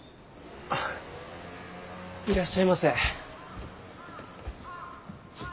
いらっしゃいませ。